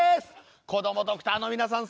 こどもドクターの皆さん